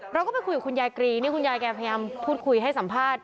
เราก็ไปคุยกับคุณยายกรีนี่คุณยายแกพยายามพูดคุยให้สัมภาษณ์